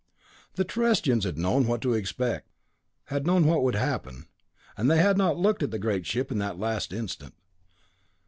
The Terrestrians had known what to expect; had known what would happen; and they had not looked at the great ship in that last instant.